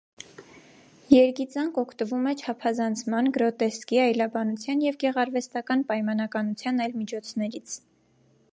Երգիծանք օգտվում է չափազանցման, գրոտեսկի, այլաբանության և գեղարվեստական պայմանականության այլ միջոցներից։